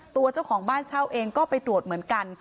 ตัวเจ้าของบ้านเช่าเองก็ไปตรวจเหมือนกัน